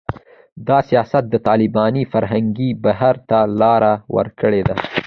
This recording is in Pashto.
دا سیاست د طالباني فرهنګي بهیر ته لاره ورکړې ده